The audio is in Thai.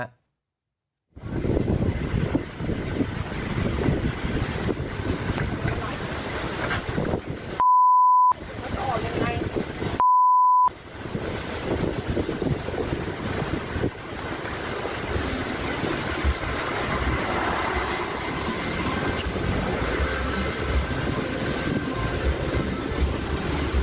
มันออกไปไง